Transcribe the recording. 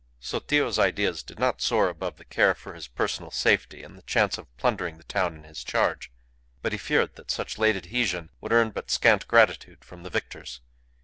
Sotillo's ideas did not soar above the care for his personal safety and the chance of plundering the town in his charge, but he feared that such a late adhesion would earn but scant gratitude from the victors.